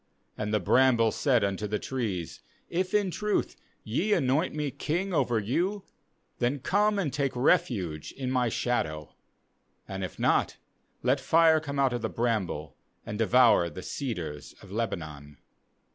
IBAnd the bramble said unto the trees* If in truth ye anoint me king over you, then come and take refuge in my shadow; and if not, let fire come out of the bramble, and devour the ce dars of Lebanon.